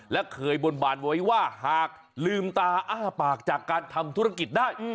และเคยบนบานไว้ว่าหากลืมตาอ้าปากจากการทำธุรกิจได้